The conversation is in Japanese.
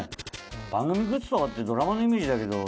番組グッズとかってドラマのイメージだけど。